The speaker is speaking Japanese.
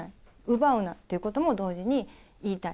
奪うなってことも同時に言いたい。